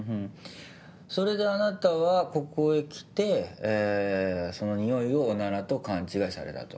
それであなたはここへ来てそのにおいをおならと勘違いされたと。